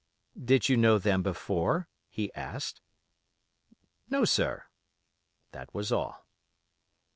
"'Did you know them before?' he asked. "'No, sir.' That was all.